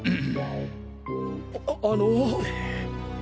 あの。